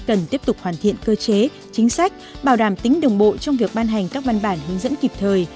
cần tiếp tục hoàn thiện cơ chế chính sách bảo đảm tính đồng bộ trong việc ban hành các văn bản hướng dẫn kịp thời